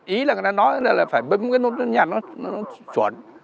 ý là người ta nói là phải bấm cái nông nhạc nó chuẩn